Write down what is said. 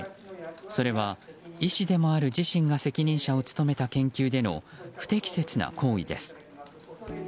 それは医師でもある自身が責任者を務めた研究での不適切な行為です。